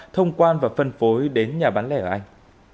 thông quan và phân phối đến nhà bán lẻ ở anh